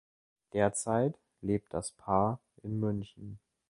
Derzeit lebt das Paar in München.